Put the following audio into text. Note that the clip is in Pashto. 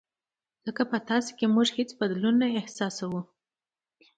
ځکه په تاسو کې موږ هېڅ بدلون نه احساسوو.